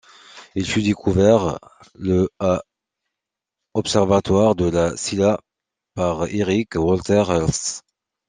Il fut découvert le à observatoire de La Silla par Eric Walter Elst.